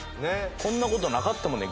こんなことなかったもんね。